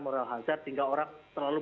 moral hazard sehingga orang terlalu